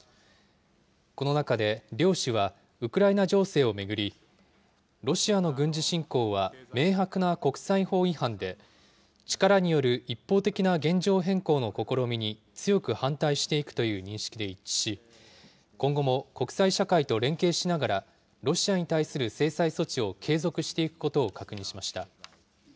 この中で、両氏はウクライナ情勢を巡り、ロシアの軍事侵攻は、明白な国際法違反で、力による一方的な現状変更の試みに強く反対していくという認識で一致し、今後も国際社会と連携しながらロシアに対する制裁措置を継続していくことを確認しました。